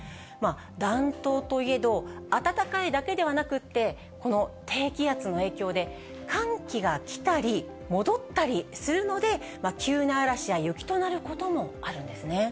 暖冬といえど、暖かいだけではなくってこの低気圧の影響で、寒気が来たり、戻ったりするので、急な嵐や雪となることもあるんですね。